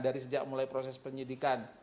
dari sejak mulai proses penyidikan